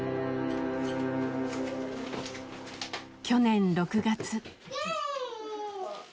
去年６月。